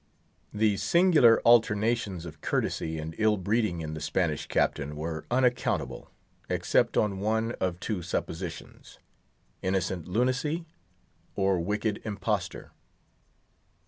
The singular alternations of courtesy and ill breeding in the Spanish captain were unaccountable, except on one of two suppositions—innocent lunacy, or wicked imposture.